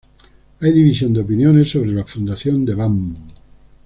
Hay división de opiniones sobre la fundación de Bam.